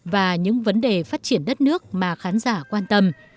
và những vấn đề phát triển đất nước mà khán giả quan tâm